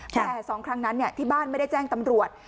แต่๒ครั้งนั้นที่บ้านไม่ได้แจ้งตำรวจ